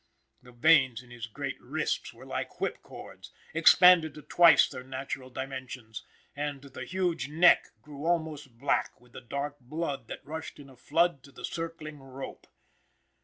The veins in his great wrists were like whip cords, expanded to twice their natural dimensions, and the huge neck grew almost black with the dark blood that rushed in a flood to the circling rope.